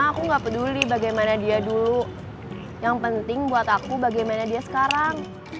aku gak peduli bagaimana dia dulu yang penting buat aku bagaimana dia sekarang